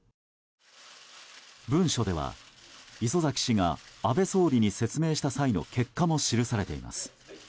文書では礒崎氏が安倍総理に説明した際の結果も記されています。